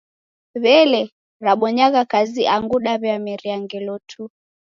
W'elee, rabonyagha kazi angu daw'iameria ngelo tu?